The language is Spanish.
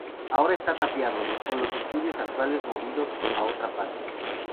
Ahora está tapiado, con los estudios actuales movidos a otra parte.